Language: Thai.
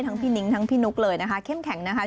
พี่นิ้งทั้งพี่นุ๊กเลยนะคะเข้มแข็งนะคะ